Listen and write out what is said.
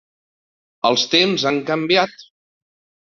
Els temps han canviat.